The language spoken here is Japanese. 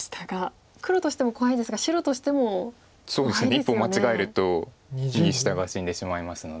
一歩間違えると右下が死んでしまいますので。